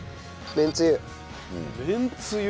めんつゆ。